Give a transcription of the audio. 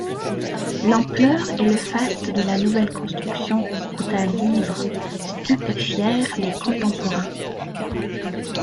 L'ampleur et le faste de la nouvelle construction, qui coûta livres, stupéfièrent les contemporains.